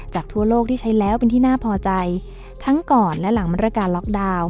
ทั่วโลกที่ใช้แล้วเป็นที่น่าพอใจทั้งก่อนและหลังมาตรการล็อกดาวน์